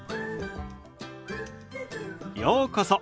ようこそ。